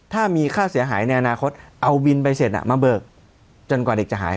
ถ้ามีค่าเสียหายในอนาคตเอาวินใบเสร็จมาเบิกจนกว่าเด็กจะหาย